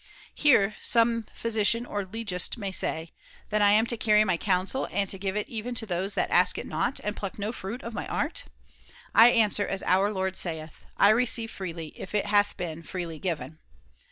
Here some physician or legist might say :' Then am I to carry my counsel and to give it even to those that ask it not, and pluck no fruit of my art ? I answer as our Lord saith :' I receive freely if it hath been freely given.'